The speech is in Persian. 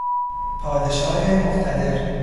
پادشاه مقتدر